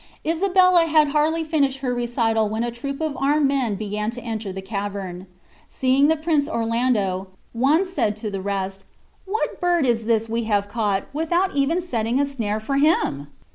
Isabella had hardly finished her recital when a troop of armed men began to enter the cavern. Seeing the prince Orlando, one said to the rest, "What bird is this we have caught, without even setting a snare for him?"